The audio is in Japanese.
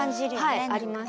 はいありました。